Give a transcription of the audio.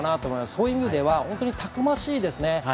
そういう意味では本当にたくましいですね。